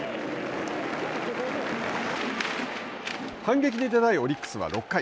反撃に出たいオリックスは６回。